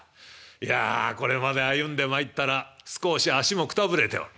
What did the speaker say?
いやこれまで歩んでまいったら少し足もくたぶれておる。